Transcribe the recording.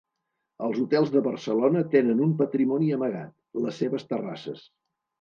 Els hotels de Barcelona tenen un patrimoni amagat: les seves terrasses.